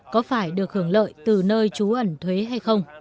có phải được hưởng lợi từ nơi chủ nghĩa